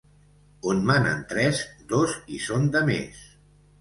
On manen tres, dos hi són de més.